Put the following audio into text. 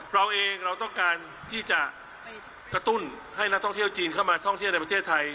เราเองเราต้องการที่จะกระตุ้นให้นักท่องเที่ยวจีนเข้ามาท่องเที่ยวในประเทศไทย